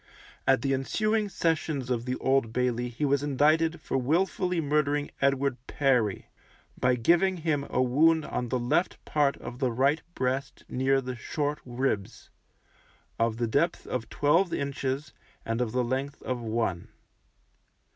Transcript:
At the ensuing sessions of the Old Bailey he was indicted for wilfully murdering Edward Perry, by giving him a wound on the left part of the right breast near the short ribs, of the depth of twelve inches, and of the length of one.